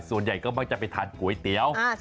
ส่วนใหญ่ก็มักจะไปทานก๋วยเตี๋ยว